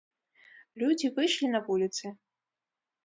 Людзі выйшлі на вуліцы.